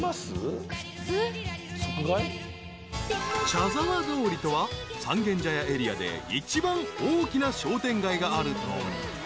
［茶沢通りとは三軒茶屋エリアで一番大きな商店街がある通り］